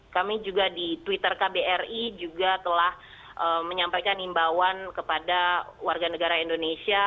kami juga di twitter kbri juga telah menyampaikan imbauan kepada warga negara indonesia